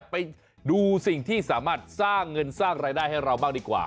ไปดูสิ่งที่สามารถสร้างเงินสร้างรายได้ให้เราบ้างดีกว่า